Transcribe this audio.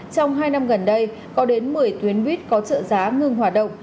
trong hai năm gần đây có đến một mươi tuyến buýt có trợ giá ngừng hoạt động